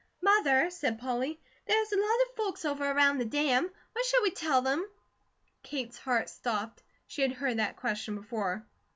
"Mother," said Polly, "there is a lot of folks over around the dam. What shall we tell them?" Kate's heart stopped. She had heard that question before.